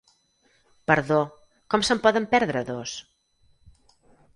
Perdó, com se'n poden perdre dos?